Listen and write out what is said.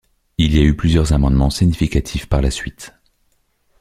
Il y a eu plusieurs amendements significatifs par la suite.